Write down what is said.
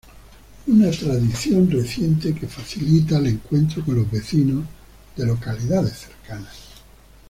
Una tradición reciente que facilita el encuentro con los vecinos de localidades cercanas.